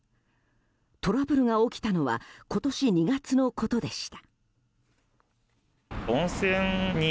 トラブルが起きたのは今年２月のことでした。